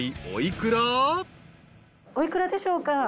お幾らでしょうか？